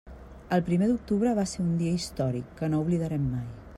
El primer d'octubre va ser un dia històric que no oblidarem mai.